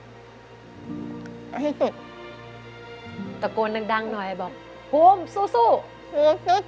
เอาให้ตุ๊ก